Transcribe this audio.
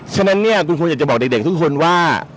ฉะนั้นเนี่ยคุณควรอยากจะบอกเด็กทุกคนว่า